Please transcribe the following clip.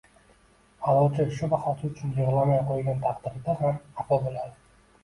Aʼlochi shu bahosi uchun yig‘lamay qo‘ygan taqdirida ham xafa bo‘ladi